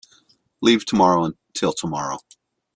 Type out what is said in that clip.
Leave tomorrow till tomorrow.